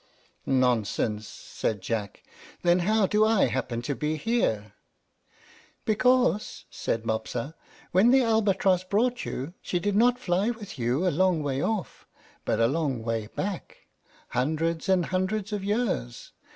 "Nonsense!" said Jack. "Then how do I happen to be here?" "Because," said Mopsa, "when the albatross brought you, she did not fly with you a long way off, but a long way back, hundreds and hundreds of years.